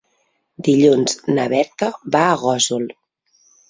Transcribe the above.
Dilluns na Berta va a Gósol.